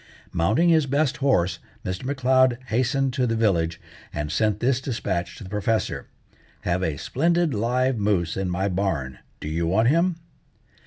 Mounting his best horse, Mr. M'Leod hastened to the village, and sent this despatch to the professor: "Have a splendid live moose in my barn. Do you want him?"